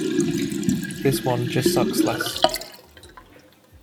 This one just sucks less.